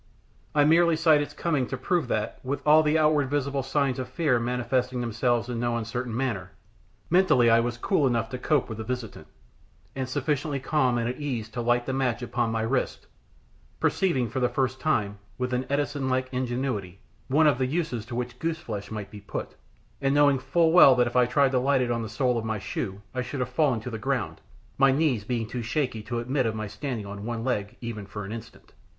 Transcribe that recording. I merely cite its coming to prove that, with all the outward visible signs of fear manifesting themselves in no uncertain manner, mentally I was cool enough to cope with the visitant, and sufficiently calm and at ease to light the match upon my wrist, perceiving for the first time, with an Edison like ingenuity, one of the uses to which goose flesh might be put, and knowing full well that if I tried to light it on the sole of my shoe I should have fallen to the ground, my knees being too shaky to admit of my standing on one leg even for an instant.